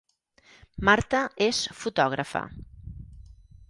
Marta és fotògrafa